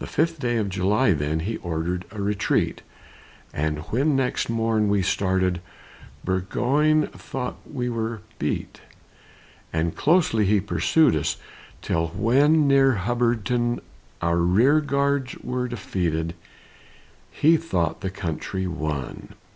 The fifth day of July, then, He ordered a retreat; And when next morn we started, Burgoyne thought we were beat. And closely he pursued us, Till when near Hubbardton, Our rear guards were defeated, He thought the country won.